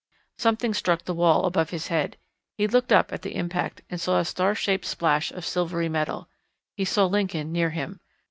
Something struck the wall above his head. He looked up at the impact and saw a star shaped splash of silvery metal. He saw Lincoln near him.